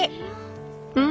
うん。